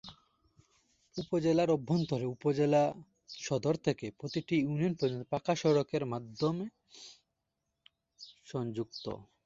উপজেলার অভ্যন্তরে উপজেলা সদর থেকে প্রতিটি ইউনিয়ন পর্যন্ত পাকা সড়কের মাধ্যমে সংযুক্ত।